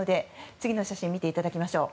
次の写真を見ていただきましょう。